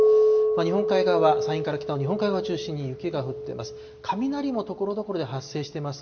日本海側、山陰から北の日本海側を中心に雪が降っています。